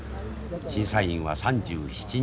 審査員は３７人。